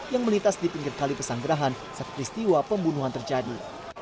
yang melintas di pinggir kali pesanggerahan saat peristiwa pembunuhan terjadi